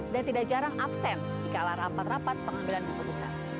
dan tidak jarang absen di kalah rapat rapat pengambilan keputusan